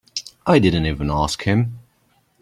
I didn't even ask him.